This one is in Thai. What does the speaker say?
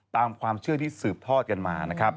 ตามความเชื่อที่สืบทอดกันมา